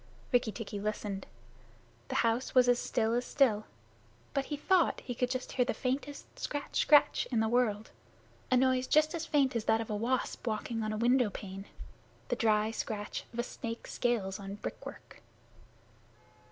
Rikki tikki listened. The house was as still as still, but he thought he could just catch the faintest scratch scratch in the world a noise as faint as that of a wasp walking on a window pane the dry scratch of a snake's scales on brick work.